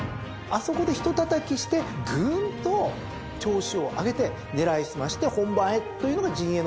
あそこでひとたたきしてグーンと調子を上げて狙い澄まして本番へというのが陣営の考えじゃないかと。